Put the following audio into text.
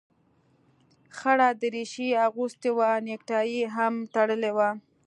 خړه دريشي يې اغوستې وه نيكټايي يې هم تړلې وه.